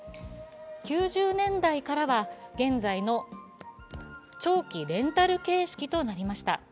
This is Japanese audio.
９０年代からは現在の長期レンタル形式となりました。